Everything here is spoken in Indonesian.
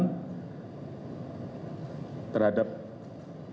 terkait apakah saudara fs menyuruh ataupun terlibat langsung dalam penembakan